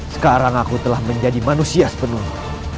sekarang aku telah menjadi manusia sepenuhnya